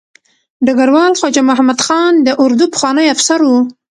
ډګروال خواجه محمد خان د اردو پخوانی افسر و.